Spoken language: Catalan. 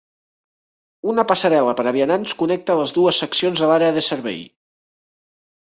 Una passarel·la per a vianants connecta les dues seccions de l'àrea de servei.